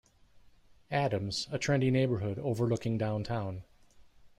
Adams, a trendy neighborhood overlooking downtown.